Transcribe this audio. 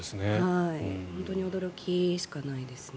本当に驚きしかないですね。